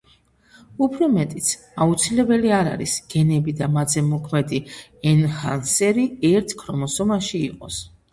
უფრო მეტიც, აუცილებელი არ არის, გენები და მათზე მოქმედი ენჰანსერი ერთ ქრომოსომაში იყოს.